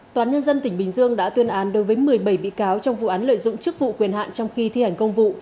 toán nhân dân tỉnh bình dương đã tuyên án đối với một mươi bảy bị cáo trong vụ án lợi dụng chức vụ quyền hạn trong khi thi hành công vụ